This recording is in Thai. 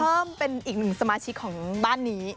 เพิ่มเป็นอีกหนึ่งสมาชิกของบ้านนี้